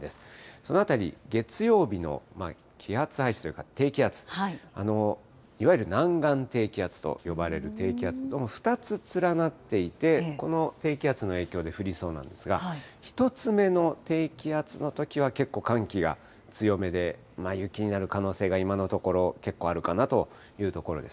そのあたり、月曜日の気圧配置というか低気圧、いわゆる南岸低気圧と呼ばれる低気圧、どうも２つ連なっていて、この低気圧の影響で降りそうなんですが、１つ目の低気圧のときは結構寒気が強めで、雪になる可能性が今のところけっこうあるかなというところです。